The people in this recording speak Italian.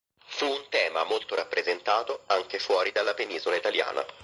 Fu un tema molto rappresentato anche fuori dalla penisola italiana.